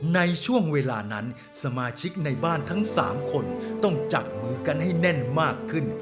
ในช่วงเวลานั้นสมาชิกในบ้านทั้ง๓คนต้องจับมือกันให้แน่นมากขึ้น